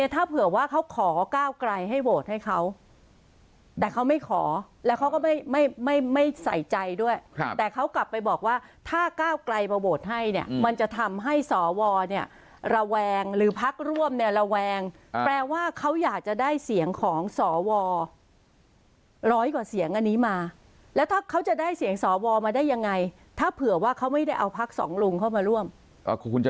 แต่เขาไม่ขอแล้วเขาก็ไม่ไม่ไม่ไม่ใส่ใจด้วยครับแต่เขากลับไปบอกว่าถ้าเก้าไกรมาโบสถ์ให้เนี้ยอืมมันจะทำให้สอวอเนี้ยระแวงหรือพักร่วมเนี้ยระแวงอ่าแปลว่าเขาอยากจะได้เสียงของสอวอร้อยกว่าเสียงอันนี้มาแล้วถ้าเขาจะได้เสียงสอวอมาได้ยังไงถ้าเผื่อว่าเขาไม่ได้เอาพักสองลุงเข้ามาร่วมอ่าคุณ